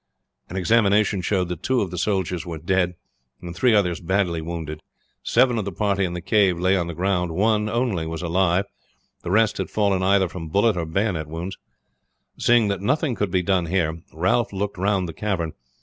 An examination showed that two of the soldiers were dead, and three others badly wounded. Seven of the party in the cave lay on the ground. One only was alive; the rest had fallen either from bullet or bayonet wounds. Seeing that nothing could be done here Ralph looked round the cavern.